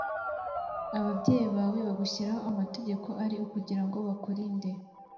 ababyeyi bawe bagushyiriraho amategeko ari ukugira ngo bakurinde